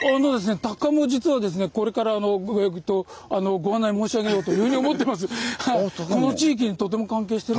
鷹も実はこれからご案内申し上げようというふうに思ってます。